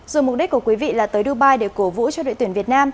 rồi mục đích của quý vị là tới dubai để cổ vũ cho đội tuyển việt nam